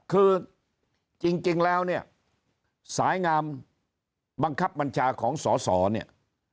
คือจริงแล้วเนี่ยสายงามบังคับบัญชาของสอสอเนี่ย